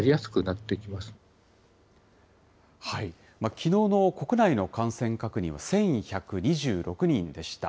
きのうの国内の感染確認は１１２６人でした。